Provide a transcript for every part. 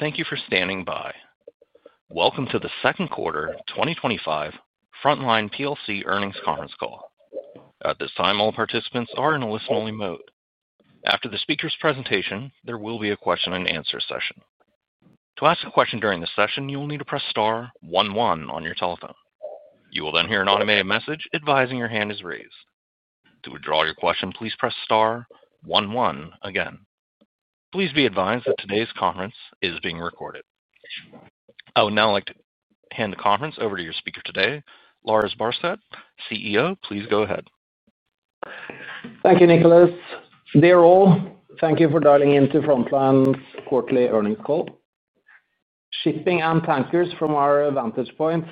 Thank you for standing by. Welcome to the Second Quarter 2025 Frontline plc Earnings Conference Call. At this time, all participants are in a listen-only mode. After the speaker's presentation, there will be a question-and-answer session. To ask a question during this session, you will need to press star one one on your telephone. You will then hear an automated message advising your hand is raised. To withdraw your question, please press star one one again. Please be advised that today's conference is being recorded. I would now like to hand the conference over to your speaker today, Lars Barstad, CEO. Please go ahead. Thank you, Nicholas. Dear all, thank you for dialing into Frontline's Quarterly Earnings Call. Shipping and tankers from our vantage point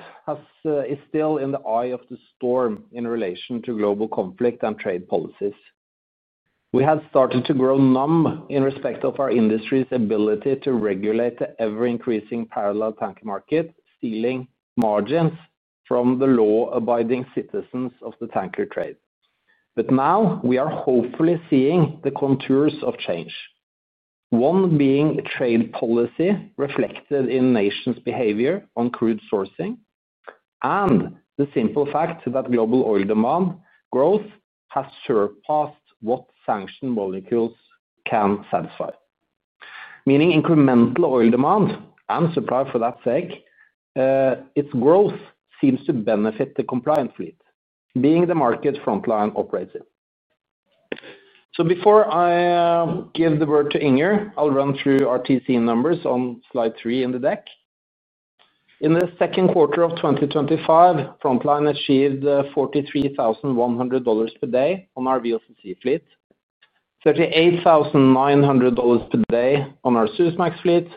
is still in the eye of the storm in relation to global conflict and trade policies. We have started to grow numb in respect of our industry's ability to regulate the ever-increasing parallel tanker market, stealing margins from the law-abiding citizens of the tanker trade. Now we are hopefully seeing the contours of change. One being trade policy reflected in nations' behavior on crude sourcing and the simple fact that global oil demand growth has surpassed what sanctioned molecules can satisfy. Meaning incremental oil demand and supply for that sake, its growth seems to benefit the compliant fleet, being the market Frontline operates in. Before I give the word to Inger, I'll run through our TCE numbers on slide three in the deck. In the second quarter of 2025, Frontline achieved $43,100 per day on our VLCC fleet, $38,900 per day on our Suezmax fleet,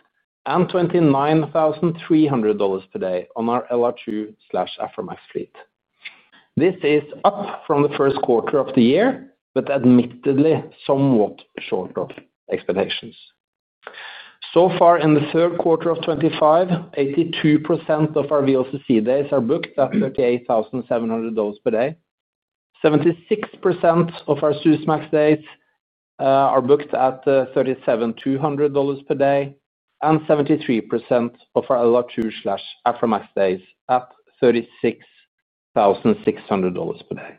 and $29,300 per day on our LR2/Aframax fleet. This is up from the first quarter of the year, but admittedly somewhat short of expectations. So far in the third quarter of 2025, 82% of our VLCC days are booked at $38,700 per day, 76% of our Suezmax days are booked at $37,200 per day, and 73% of our LR2/Aframax days at $36,600 per day.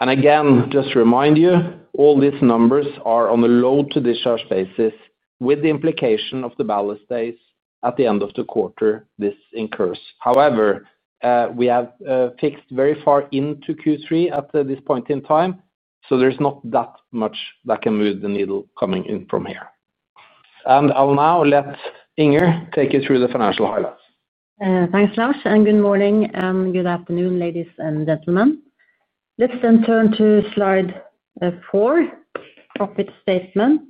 Again, just to remind you, all these numbers are on a load-to-discharge basis with the implication of the ballast days at the end of the quarter this incurs. However, we have fixed very far into Q3 at this point in time, so there's not that much that can move the needle coming in from here. I'll now let Inger take you through the financial highlights. Thanks, Lars, and good morning and good afternoon, ladies and gentlemen. Let's then turn to slide four, profit statement,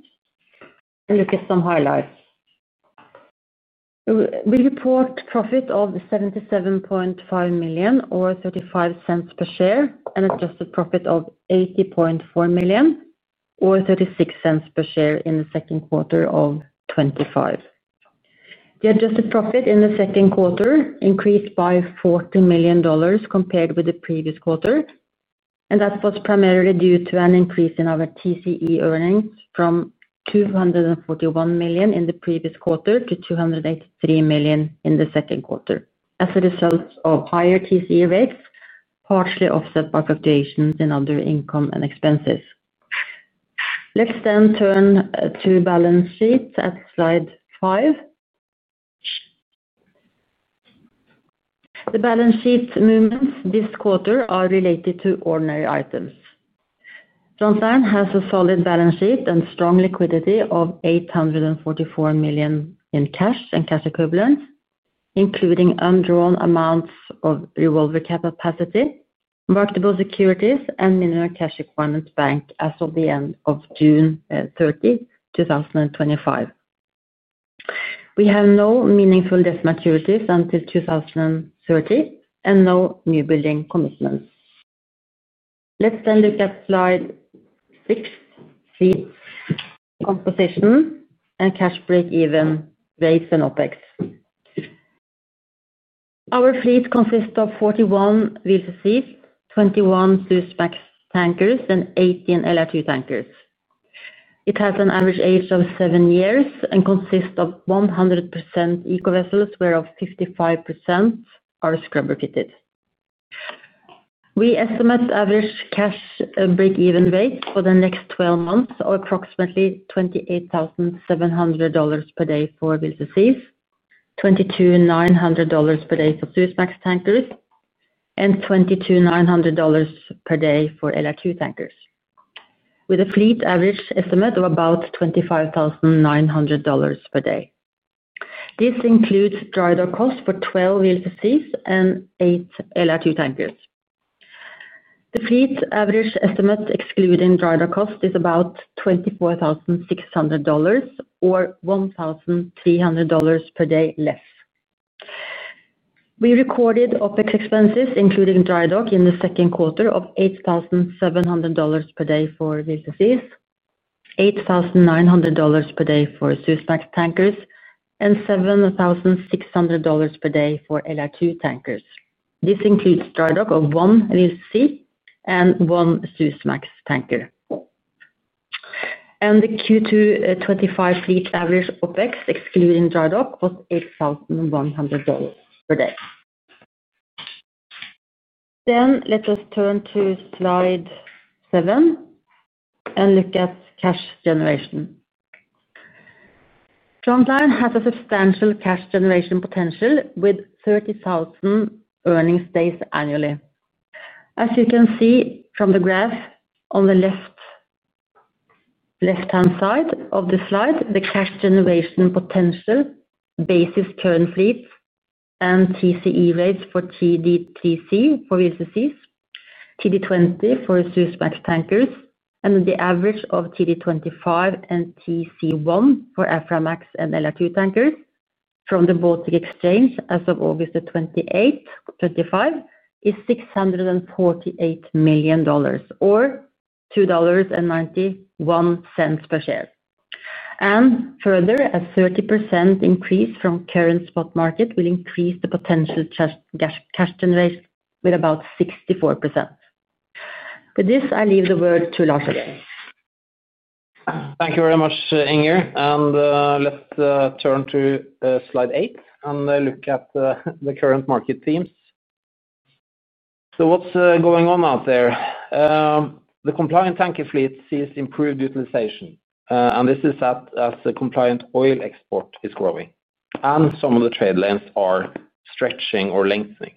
and look at some highlights. We report a profit of $77.5 million or $0.35 per share and an adjusted profit of $80.4 million or $0.36 per share in the second quarter of 2025. The adjusted profit in the second quarter increased by $40 million compared with the previous quarter, and that was primarily due to an increase in our TCE earning from $241 million in the previous quarter to $283 million in the second quarter as a result of higher TCE rates, partially offset by fluctuations in other income and expenses. Let's then turn to balance sheets at slide five. The balance sheet movements this quarter are related to ordinary items. Frontline has a solid balance sheet and strong liquidity of $844 million in cash and cash equivalents, including undrawn amounts of revolver cap capacity, marketable securities, and minimum cash requirements bank as of the end of June 30, 2025. We have no meaningful debt maturities until 2030 and no new building commitments. Let's then look at slide six, fleet composition and cash break-even rates and OPEX. Our fleet consists of 41 VLCCs, 21 Suezmax tankers, and 18 LR2 tankers. It has an average age of seven years and consists of 100% eco-vessels, whereas 55% are scrubber-fitted. We estimate average cash break-even rates for the next 12 months of approximately $28,700 per day for VLCCs, $22,900 per day for Suezmax tankers, and $22,900 per day for LR2 tankers, with a fleet average estimate of about $25,900 per day. This includes dry dock costs for 12 VLCCs and eight LR2 tankers. The fleet's average estimate, excluding dry dock costs, is about $24,600 or $1,300 per day less. We recorded OPEX expenses, including dry dock, in the second quarter of $8,700 per day for VLCCs, $8,900 per day for Suezmax tankers, and $7,600 per day for LR2 tankers. This includes dry dock of one VLCC and one Suezmax tanker. The Q2 2025 fleet average OPEX, excluding dry dock, was $8,100 per day. Let us turn to slide seven and look at cash generation. Frontline has a substantial cash generation potential with 30,000 earnings days annually. As you can see from the graph on the left-hand side of the slide, the cash generation potential bases current fleet and TCE rates for TD20 for VLCCs, TD20 for Suezmax tankers, and the average of TD20 and TC1 for Aframax and LR2 tankers from the Baltic Exchange as of August 28, 2025, is $648 million or $2.91 per share. Further, a 30% increase from current spot market will increase the potential cash generation by about 64%. With this, I leave the word to Lars today. Thank you very much, Inger. Let's turn to slide eight and look at the current market themes. What's going on out there? The compliant tanker fleet sees improved utilization, as the compliant oil export is growing and some of the trade lanes are stretching or lengthening.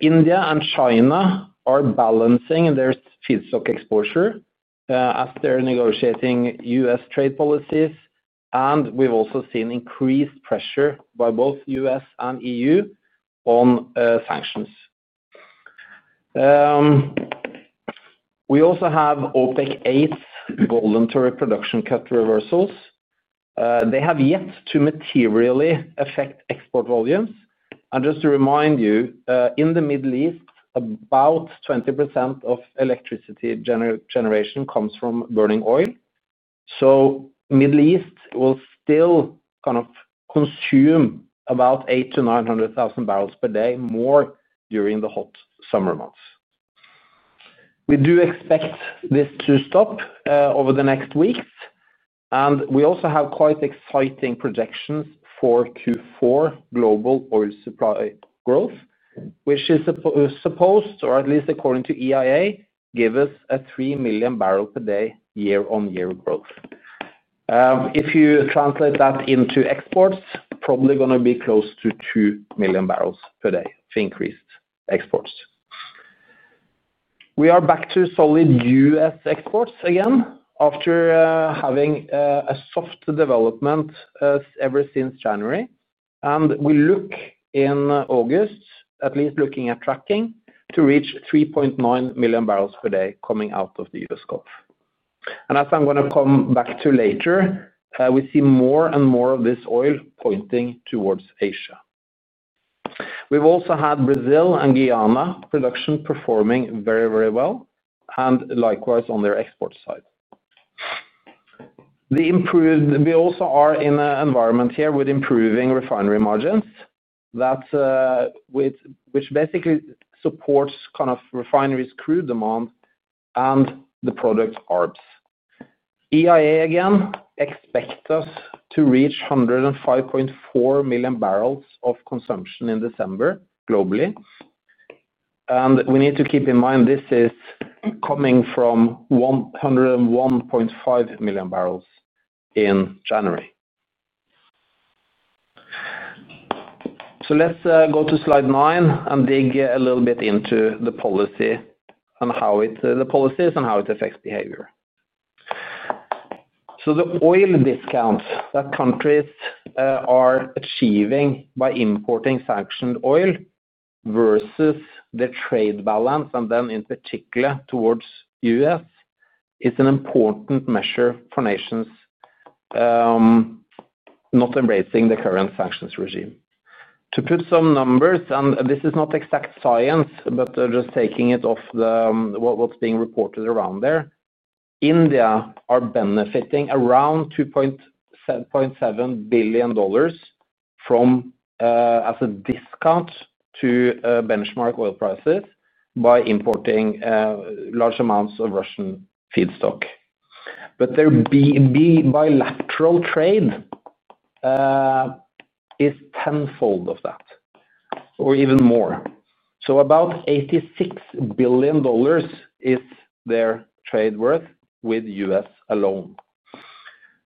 India and China are balancing their feedstock exposure as they're negotiating U.S. trade policies, and we've also seen increased pressure by both U.S. and EU on sanctions. We also have OPEC 8 voluntary production cut reversals. They have yet to materially affect export volumes. Just to remind you, in the Middle East, about 20% of electricity generation comes from burning oil. The Middle East will still kind of consume about 800,000 bbl-900,000 bbl per day more during the hot summer months. We do expect this to stop over the next weeks, and we also have quite exciting projections for Q4 global oil supply growth, which is supposed, or at least according to EIA, gives us a 3 million bbl per day year-on-year growth. If you translate that into exports, probably going to be close to 2 million bbl per day to increase exports. We are back to solid U.S. exports again after having a soft development ever since January. Looking in August, at least looking at tracking, we expect to reach 3.9 million bbl per day coming out of the U.S. Gulf. As I'm going to come back to later, we see more and more of this oil pointing towards Asia. We've also had Brazil and Guyana production performing very, very well, and likewise on their export side. We also are in an environment here with improving refinery margins that basically support kind of refineries' crude demand and the product ARPs. EIA again expects us to reach 105.4 million bbl of consumption in December globally. We need to keep in mind this is coming from 101.5 million bbl in January. Let's go to slide nine and dig a little bit into the policy and how it affects behavior. The oil discounts that countries are achieving by importing sanctioned oil versus the trade balance, and then in particular towards the U.S., is an important measure for nations not embracing the current sanctions regime. To put some numbers, and this is not exact science, but just taking it off what's being reported around there, India is benefiting around $2.7 billion as a discount to benchmark oil prices by importing large amounts of Russian feedstock. Their bilateral trade is tenfold of that or even more. About $86 billion is their trade worth with the U.S. alone.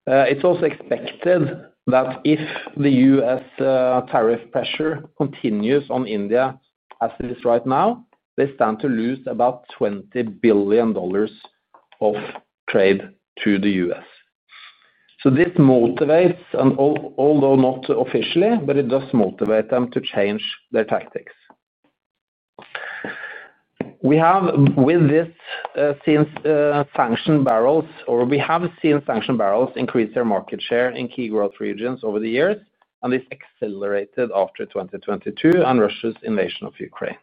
It's also expected that if the U.S. tariff pressure continues on India as it is right now, they stand to lose about $20 billion of trade to the U.S. This motivates, and although not officially, it does motivate them to change their tactics. We have with this seen sanctioned barrels, or we have seen sanctioned barrels increase their market share in key growth regions over the years, and this accelerated after 2022 and Russia's invasion of Ukraine.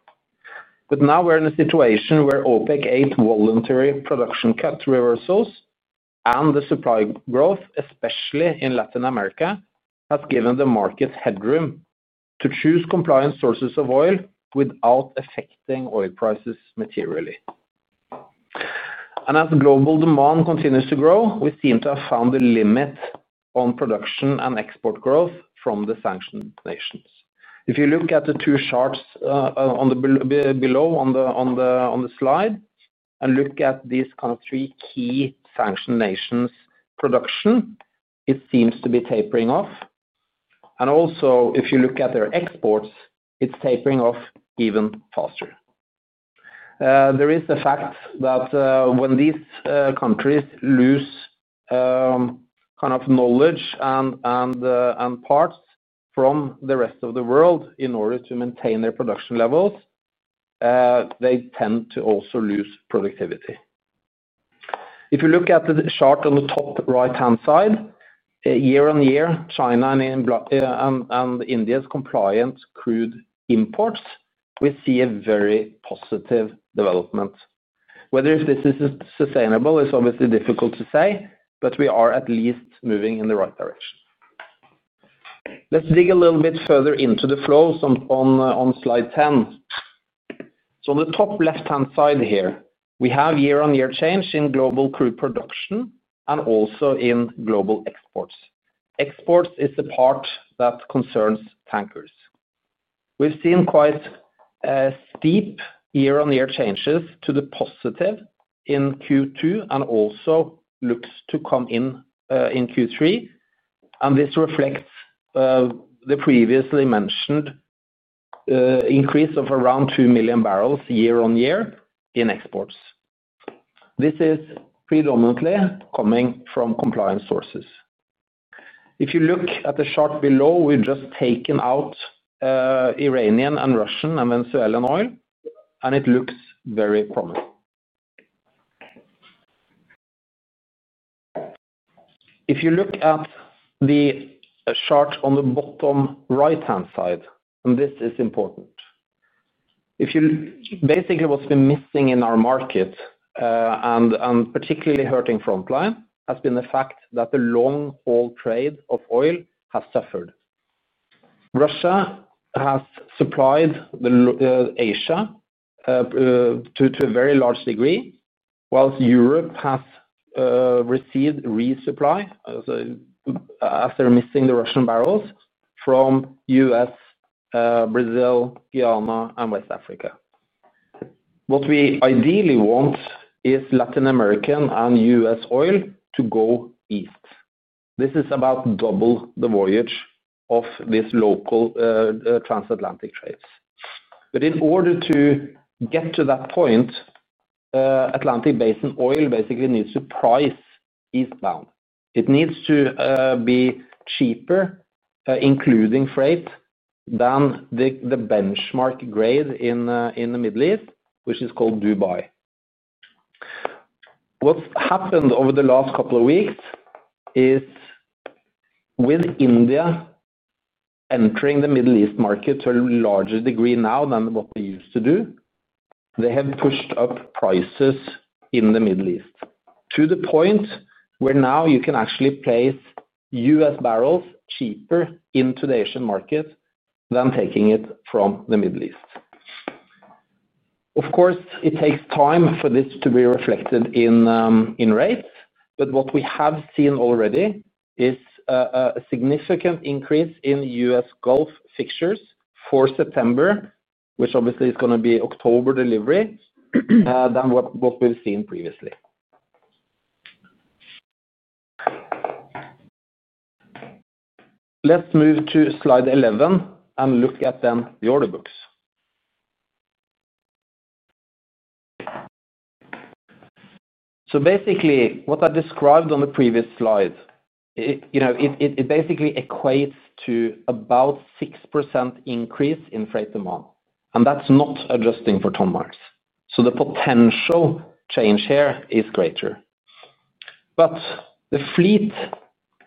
Now we're in a situation where OPEC 8 voluntary production cut reversals and the supply growth, especially in Latin America, has given the markets headroom to choose compliant sources of oil without affecting oil prices materially. As global demand continues to grow, we seem to have found a limit on production and export growth from the sanctioned nations. If you look at the two charts below on the slide and look at these kind of three key sanctioned nations' production, it seems to be tapering off. Also, if you look at their exports, it's tapering off even faster. There is the fact that when these countries lose kind of knowledge and parts from the rest of the world in order to maintain their production levels, they tend to also lose productivity. If you look at the chart on the top right-hand side, year-on-year, China and India's compliant crude imports, we see a very positive development. Whether this is sustainable is obviously difficult to say, but we are at least moving in the right direction. Let's dig a little bit further into the flow on slide ten. On the top left-hand side here, we have year-on-year change in global crude production and also in global exports. Exports is the part that concerns tankers. We've seen quite steep year-on-year changes to the positive in Q2 and also looks to come in in Q3. This reflects the previously mentioned increase of around 2 million bbl year-on-year in exports. This is predominantly coming from compliant sources. If you look at the chart below, we've just taken out Iranian and Russian and Venezuelan oil, and it looks very promising. If you look at the chart on the bottom right-hand side, and this is important, basically what's been missing in our market and particularly hurting Frontline has been the fact that the long-haul trade of oil has suffered. Russia has supplied Asia to a very large degree, whilst Europe has received resupply after missing the Russian barrels from U.S., Brazil, Guyana, and West Africa. What we ideally want is Latin American and U.S. oil to go east. This is about double the voyage of these local transatlantic trades. In order to get to that point, Atlantic Basin oil basically needs to price eastbound. It needs to be cheaper, including freight, than the benchmark grade in the Middle East, which is called Dubai. What's happened over the last couple of weeks is with India entering the Middle East market to a larger degree now than what we used to do, they have pushed up prices in the Middle East to the point where now you can actually place U.S. barrels cheaper into the Asian market than taking it from the Middle East. Of course, it takes time for this to be reflected in rates, but what we have seen already is a significant increase in U.S. Gulf fixtures for September, which obviously is going to be October delivery, than what we've seen previously. Let's move to slide 11 and look at then the order books. Basically, what I described on the previous slide equates to about a 6% increase in freight demand, and that's not adjusting for ton marks. The potential change here is greater. The fleet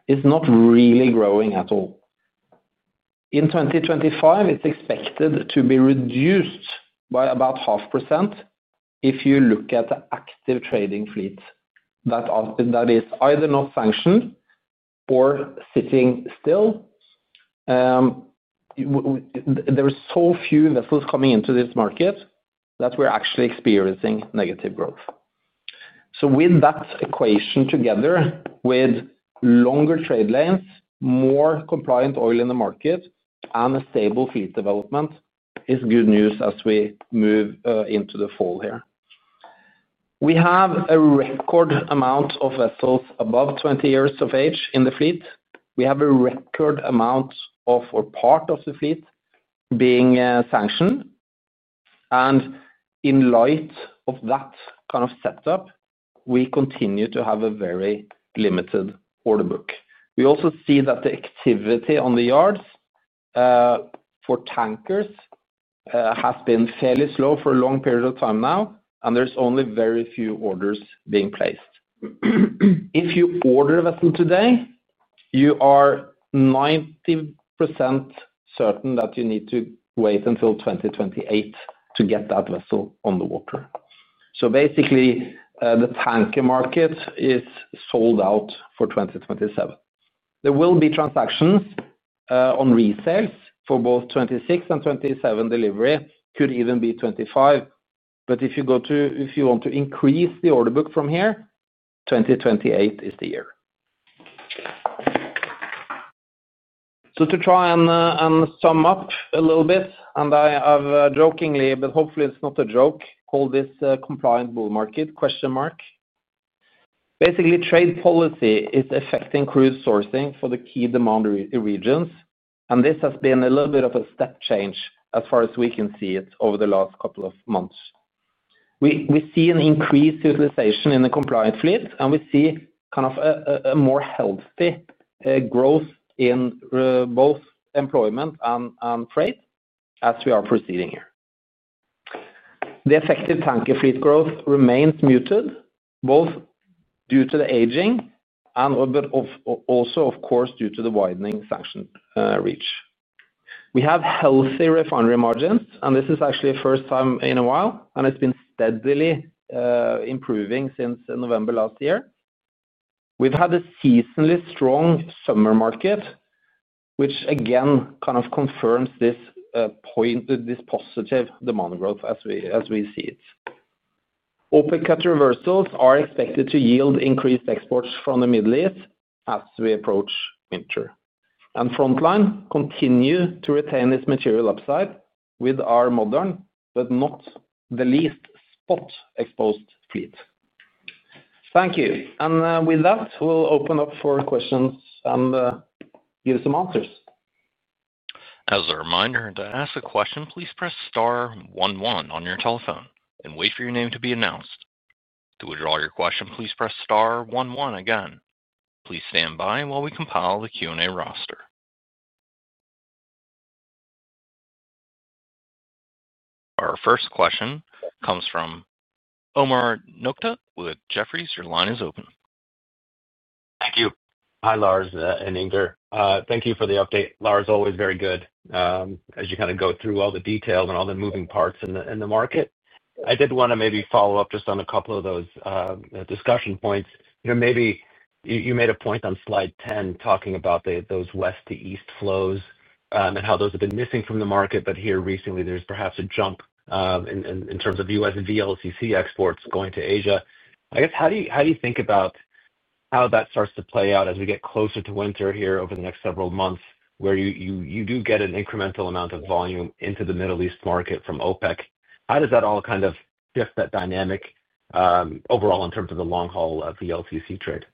is not really growing at all. In 2025, it's expected to be reduced by about 0.5% if you look at the active trading fleet that is either not sanctioned or sitting still. There are so few vessels coming into this market that we're actually experiencing negative growth. With that equation together, with longer trade lanes, more compliant oil in the market, and a stable fleet development, it is good news as we move into the fall here. We have a record amount of vessels above 20 years of age in the fleet. We have a record amount of, or part of the fleet being sanctioned. In light of that kind of setup, we continue to have a very limited order book. We also see that the activity on the yards for tankers has been fairly slow for a long period of time now, and there's only very few orders being placed. If you order a vessel today, you are 90% certain that you need to wait until 2028 to get that vessel on the water. Basically, the tanker market is sold out for 2027. There will be transactions on resales for both 2026 and 2027 delivery, could even be 2025. If you want to increase the order book from here, 2028 is the year. To try and sum up a little bit, and I've jokingly, but hopefully it's not a joke, called this compliant bull market? Basically, trade policy is affecting crude sourcing for the key demand regions, and this has been a little bit of a step change as far as we can see it over the last couple of months. We see an increased utilization in the compliant fleet, and we see kind of a more healthy growth in both employment and freight as we are proceeding here. The effective tanker fleet growth remains muted, both due to the aging and also, of course, due to the widening sanction reach. We have healthy refinery margins, and this is actually the first time in a while, and it's been steadily improving since November last year. We've had a seasonally strong summer market, which again kind of confirms this positive demand growth as we see it. OPEC cut reversals are expected to yield increased exports from the Middle East as we approach winter. Frontline continues to retain its material upside with our modern, but not the least, spot-exposed fleet. Thank you. With that, we'll open up for questions and give some answers. As a reminder, to ask a question, please press star one one on your telephone and wait for your name to be announced. To withdraw your question, please press star one one again. Please stand by while we compile the Q&A roster. Our first question comes from Omar Nokta with Jefferies. Your line is open. Thank you. Hi, Lars and Inger. Thank you for the update. Lars, it's always very good as you kind of go through all the details and all the moving parts in the market. I did want to maybe follow up just on a couple of those discussion points. Maybe you made a point on slide 10 talking about those west-to-east flows and how those have been missing from the market, but here recently there's perhaps a jump in terms of U.S. VLCC exports going to Asia. I guess, how do you think about how that starts to play out as we get closer to winter here over the next several months where you do get an incremental amount of volume into the Middle East market from OPEC? How does that all kind of shift that dynamic overall in terms of the long haul VLCC trade?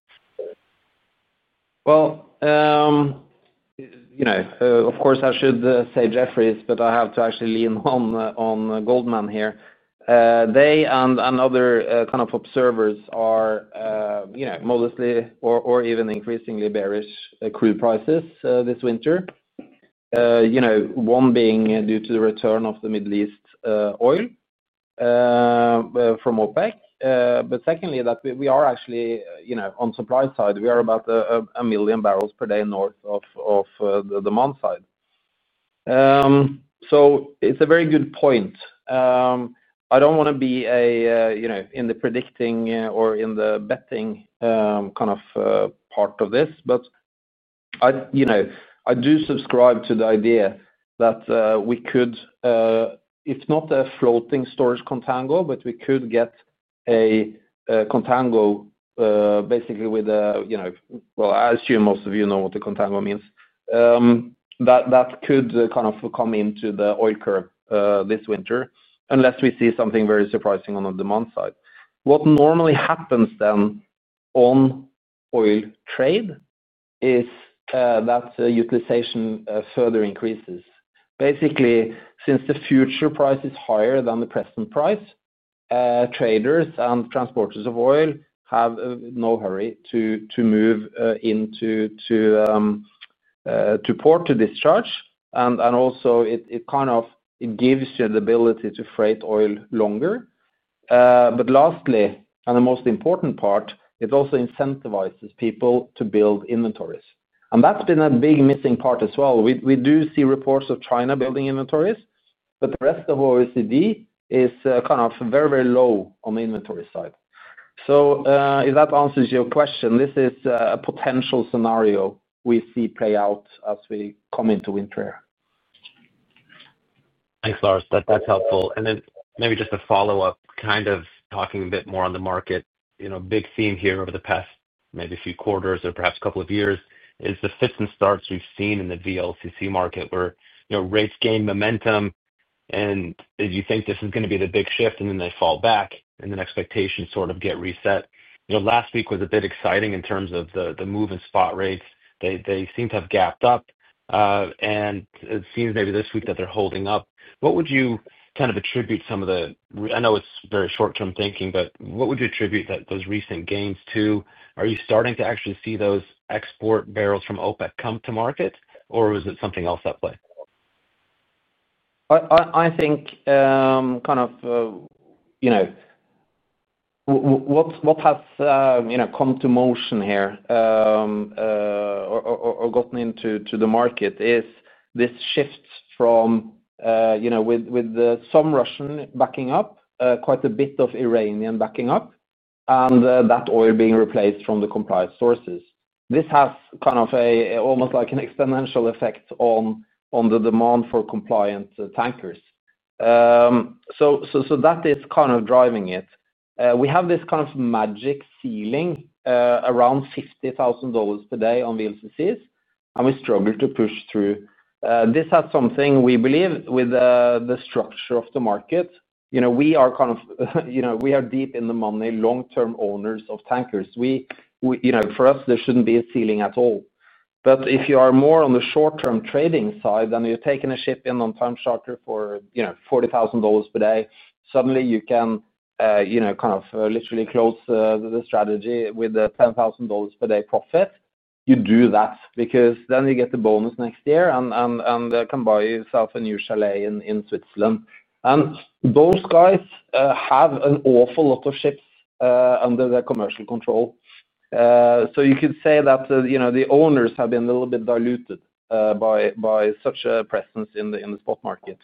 Of course, I should say Jefferies, but I have to actually lean on Goldman here. They and other observers are modestly or even increasingly bearish crude prices this winter, one being due to the return of the Middle East oil from OPEC, but secondly that we are actually, on the supply side, about a million barrels per day north of the demand side. It's a very good point. I don't want to be in the predicting or in the betting kind of part of this, but I do subscribe to the idea that we could, if not a floating storage contango, get a contango basically with a, I assume most of you know what the contango means. That could come into the oil curve this winter unless we see something very surprising on the demand side. What normally happens then on oil trade is that utilization further increases. Since the future price is higher than the present price, traders and transporters of oil have no hurry to move into port to discharge, and it gives you the ability to freight oil longer. Lastly, and the most important part, it also incentivizes people to build inventories. That's been a big missing part as well. We do see reports of China building inventories, but the rest of OECD is very, very low on the inventory side. If that answers your question, this is a potential scenario we see play out as we come into winter. Thanks, Lars. That's helpful. Maybe just a follow-up, kind of talking a bit more on the market. You know, a big theme here over the past maybe a few quarters or perhaps a couple of years is the fits and starts we've seen in the VLCC market where rates gain momentum and you think this is going to be the big shift and then they fall back and then expectations sort of get reset. Last week was a bit exciting in terms of the move in spot rates. They seem to have gapped up, and it seems maybe this week that they're holding up. What would you kind of attribute some of the, I know it's very short-term thinking, but what would you attribute those recent gains to? Are you starting to actually see those export barrels from OPEC come to market or is it something else at play? I think what has come to motion here or gotten into the market is this shift from, you know, with some Russian backing up, quite a bit of Iranian backing up, and that oil being replaced from the compliant sources. This has almost like an exponential effect on the demand for compliant tankers. That is driving it. We have this magic ceiling around $50,000 per day on VLCCs and we struggle to push through. This had something we believe with the structure of the market. We are deep in the money, long-term owners of tankers. For us, there shouldn't be a ceiling at all. If you are more on the short-term trading side and you're taking a ship in on time shorter for $40,000 per day, suddenly you can literally close the strategy with a $10,000 per day profit. You do that because then you get the bonus next year and can buy yourself a new chalet in Switzerland. Those guys have an awful lot of ships under their commercial control. You could say that the owners have been a little bit diluted by such a presence in the spot market.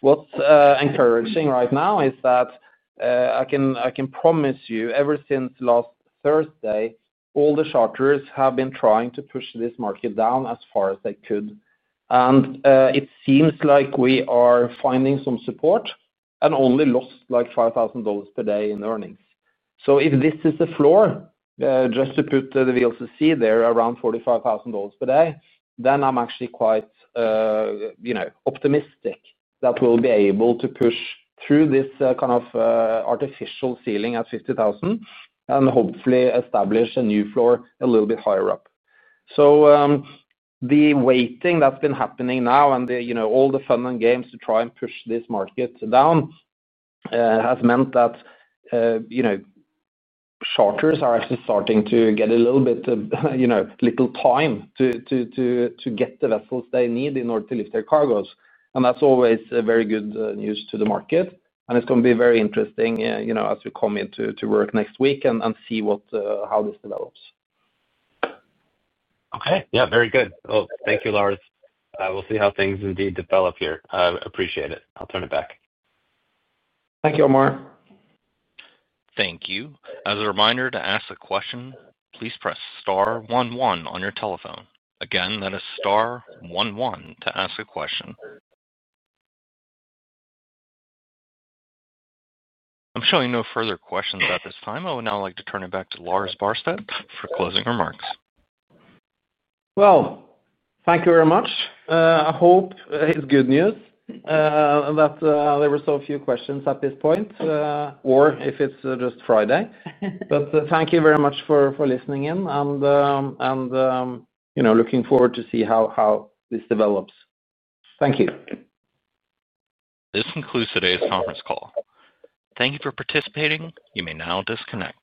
What's encouraging right now is that I can promise you ever since last Thursday, all the shorters have been trying to push this market down as far as they could. It seems like we are finding some support and only lost $5,000 per day in earnings. If this is the floor, just to put the VLCC there around $45,000 per day, then I'm actually quite optimistic that we'll be able to push through this artificial ceiling at $50,000 and hopefully establish a new floor a little bit higher up. The waiting that's been happening now and all the fun and games to try and push this market down has meant that shorters are actually starting to get a little bit, you know, little time to get the vessels they need in order to lift their cargos. That's always very good news to the market. It's going to be very interesting as we come into work next week and see how this develops. Okay. Very good. Thank you, Lars. I appreciate it. I'll turn it back. Thank you, Omar. Thank you. As a reminder, to ask a question, please press star one one on your telephone. Again, that is star one one to ask a question. I'm showing no further questions at this time. I would now like to turn it back to Lars Barstad for closing remarks. Thank you very much. I hope it's good news that there were so few questions at this point, or if it's just Friday. Thank you very much for listening in and, you know, looking forward to seeing how this develops. Thank you. This concludes today's conference call. Thank you for participating. You may now disconnect.